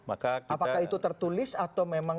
apakah itu tertulis atau memang